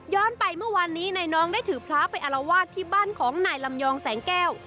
ไปเมื่อวานนี้นายน้องได้ถือพระไปอารวาสที่บ้านของนายลำยองแสงแก้ว